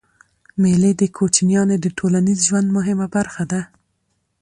مېلې د کوچنيانو د ټولنیز ژوند مهمه برخه ده.